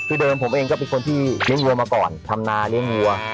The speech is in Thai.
คือเดิมผมเองก็เป็นคนที่เลี้ยงวัวมาก่อนทำนาเลี้ยงวัว